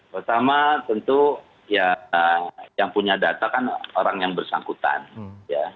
pertama tentu ya yang punya data kan orang yang bersangkutan ya